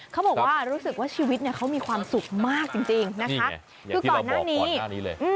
เขาบอกว่ารู้สึกว่าชีวิตเขามีความสุขมากจริงนะคะ